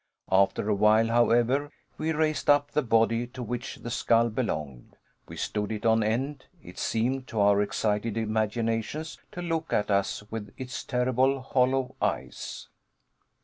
After a while, however, we raised up the body to which the skull belonged. We stood it on end. It seemed, to our excited imaginations, to look at us with its terrible hollow eyes.